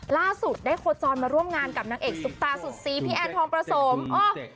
ล่าสุดได้โคจรมาร่วมงานกับนางเอกซุปตาสุดซีพี่แอนทองประสม